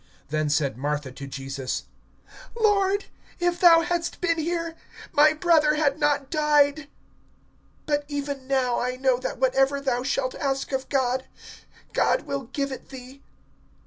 (21)Then said Martha to Jesus: Lord, if thou hadst been here, my brother had not died. (22)But even now, I know that whatever thou shalt ask of God, God will give it thee.